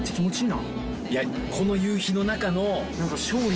この夕日の中の。